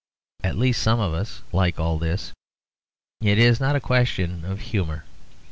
At least some of us like all this; it is not a question of humour.